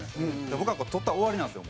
僕は捕ったら終わりなんですよ